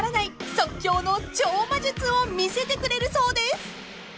即興の超魔術を見せてくれるそうです］